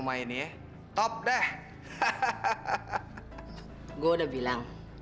ke tempat latihan